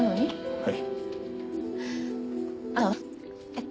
はい。